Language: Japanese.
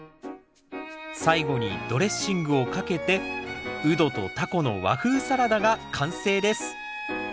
最後にドレッシングをかけてウドとタコの和風サラダが完成です